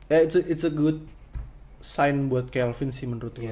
ya itu itu tanda yang bagus buat kelvin sih menurut gue